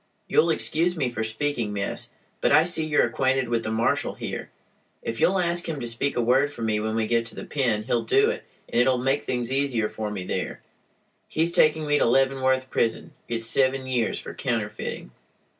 "You'll excuse me for speaking, miss, but, I see you're acquainted with the marshall here. If you'll ask him to speak a word for me when we get to the pen he'll do it, and it'll make things easier for me there. He's taking me to Leavenworth prison. It's seven years for counterfeiting."